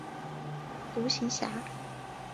独行侠。